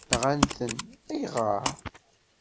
Nɣan-ten, ayɣer?